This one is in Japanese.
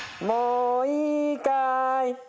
もういいかい？